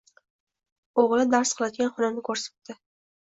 O‘g‘li dars qiladigan xonani ko‘rsatdi.